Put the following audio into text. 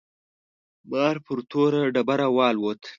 مار پر توره ډبره والوت.